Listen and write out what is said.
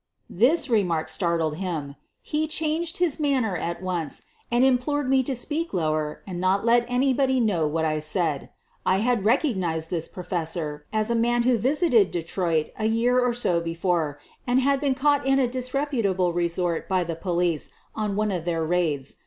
This remark startled him. He changed his man ner at once and implored me to speak lower and not let anybody know what I said. I had recog nized this professor as a man who had visited De troit a year or so before and had been caught in a disreputable resort by the police on one of their raids.